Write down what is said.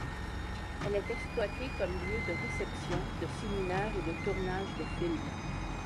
Elle est exploitée comme lieu de réceptions, de séminaires et de tournage de films.